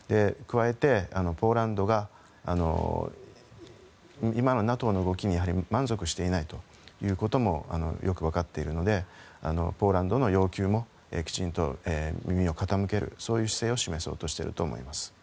加えて、ポーランドが今のＮＡＴＯの動きに満足していないということもよく分かっているのでポーランドの要求もきちんと耳を傾けるそういう姿勢を示そうとしていると思います。